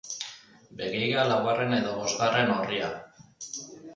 Begira laugarren edo bosgarren orria.